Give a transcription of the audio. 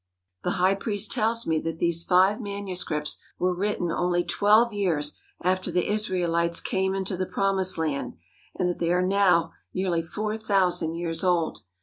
The high priest tells me that these five manuscripts were written only twelve years after the Israelites came into the Promised Land, and that they are now nearly four thousand years old.